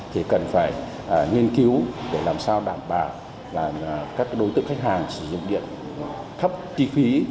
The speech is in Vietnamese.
thì cần phải nghiên cứu để làm sao đảm bảo là các đối tượng khách hàng sử dụng điện thấp ti phí